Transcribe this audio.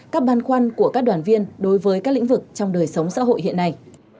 các băn khoăn của các đoàn viên đối với các lĩnh vực trong đời sống xã hội hiện nay